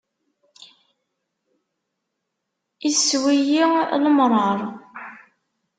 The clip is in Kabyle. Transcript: Issew-iyi lemṛaṛ.